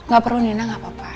gak perlu nina gak apa apa